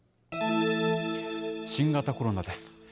新型コロナです。